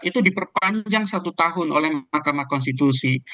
itu diperpanjang satu tahun oleh mahkamah konstitusi